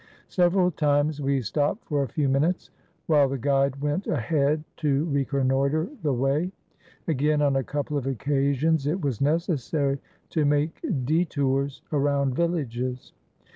Several times we stopped for a few minutes, while the guide went ahead to reconnoiter the way. Again, on a couple of occasions it was necessary to make detours around villages.